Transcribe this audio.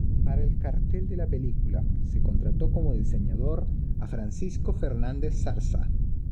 Para el cartel de la película se contrató como diseñador a Francisco Fernández Zarza.